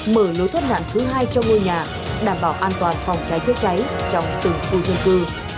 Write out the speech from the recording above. mở lối thoát nạn thứ hai cho ngôi nhà đảm bảo an toàn phòng cháy chữa cháy trong từng khu dân cư